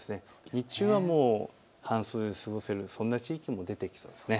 日中は半袖で過ごせるそんな地域も出てきそうです。